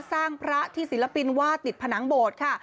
สร้างพระที่ศิลปินวาดติดผนังโบดค่ะ